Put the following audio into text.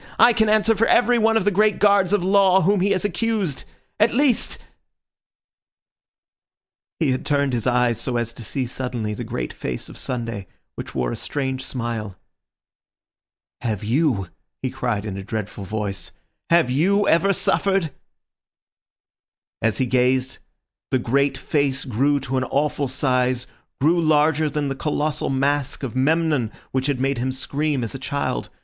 I can answer for every one of the great guards of Law whom he has accused. At least—" He had turned his eyes so as to see suddenly the great face of Sunday, which wore a strange smile. "Have you," he cried in a dreadful voice, "have you ever suffered?" As he gazed, the great face grew to an awful size, grew larger than the colossal mask of Memnon, which had made him scream as a child.